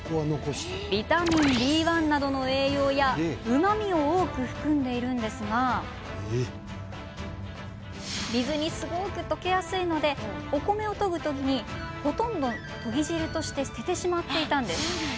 ビタミンＢ１などの栄養やうまみを多く含んでいるんですが水にすごく溶けやすいのでお米をとぐ時にほとんどをとぎ汁として捨ててしまっていたんです。